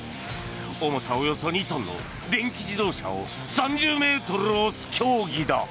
重さおよそ２トンの電気自動車を３０ｍ押す競技だ。